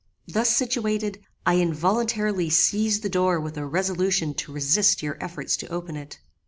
Thus situated, I involuntarily seized the door with a resolution to resist your efforts to open it.